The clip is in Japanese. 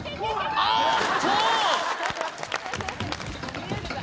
あーっと！